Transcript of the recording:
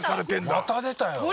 また出たよ。